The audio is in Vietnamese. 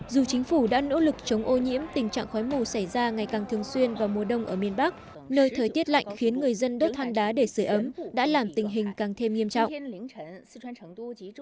dù chính phủ đã nỗ lực chống ô nhiễm tình trạng khói mù xảy ra ngày càng thường xuyên vào mùa đông ở miền bắc nơi thời tiết lạnh khiến người dân đốt than đá để sửa ấm đã làm tình hình càng thêm nghiêm trọng